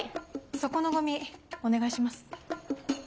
そこのゴミお願いします。